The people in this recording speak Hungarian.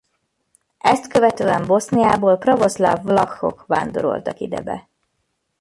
Ezt követően Boszniából pravoszláv vlachok vándoroltak ide be.